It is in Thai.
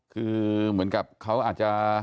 คือเหมือนกับเขาอาจจะ